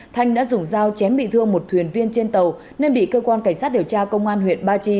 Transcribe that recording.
thanh đã dùng dao chém bị thương một thuyền viên trên tàu nên bị cơ quan cảnh sát điều tra công an huyện ba chi